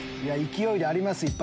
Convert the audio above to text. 勢いであります